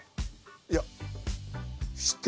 いや。